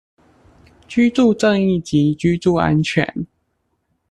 居住正義及居住安全